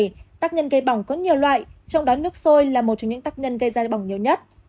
tác nhân gây bỏng có nhiều loại trong đó nước sôi là một trong những tác nhân gây ra bỏng nhiều nhất